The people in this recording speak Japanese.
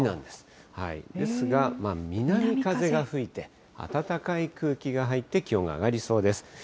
ですが、南風が吹いて、暖かい空気が入って気温が上がりそうです。